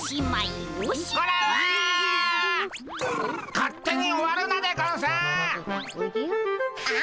勝手に終わるなでゴンスっ！